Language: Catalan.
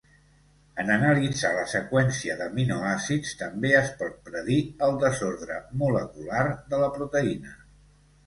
En analitzar la seqüència d'aminoàcids també es pot predir el desordre molecular de la proteïna.